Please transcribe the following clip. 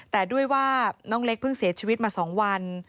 แต่ด้วยว่าน้องเล็กเพิ่งเสียชีวิตมา๒วัน